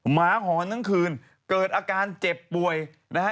หมาหอนทั้งคืนเกิดอาการเจ็บป่วยนะฮะ